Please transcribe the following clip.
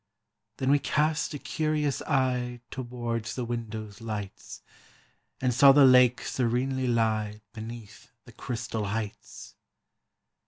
Then we cast a curious eye Towards the window's lights, And saw the Lake serenely lie Beneath the crystal heights.